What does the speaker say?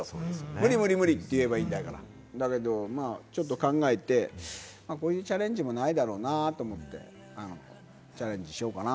無理、無理、無理って言えばいいから、だけどちょっと考えて、こういうチャレンジもないだろうなと思って、チャレンジしようかな？